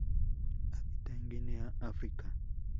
Habita en Guinea África.